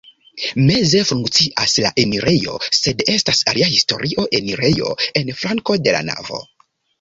Meze funkcias la enirejo, sed estas alia historia enirejo en flanko de la navo.